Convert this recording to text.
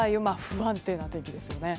不安定な天気ですよね。